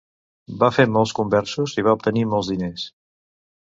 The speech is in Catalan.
Va fer molts conversos i va obtenir molts diners.